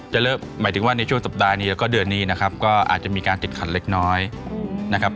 หมายถึงว่าในช่วงสัปดาห์นี้แล้วก็เดือนนี้นะครับก็อาจจะมีการติดขัดเล็กน้อยนะครับ